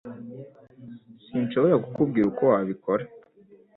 Sinshobora kukubwira uko wabikora